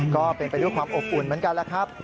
ก็เป็นไปด้วยความอบอุ่นเหมือนกันแหละครับ